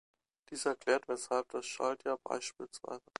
Dies erklärt, weshalb das Schaltjahr bspw.